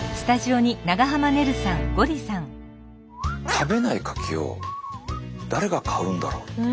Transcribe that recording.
食べないカキを誰が買うんだろう？